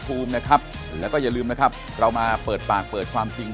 ภูมินะครับแล้วก็อย่าลืมนะครับเรามาเปิดปากเปิดความจริง